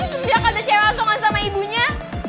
tapi sebiak ada cewa songan sama ibunya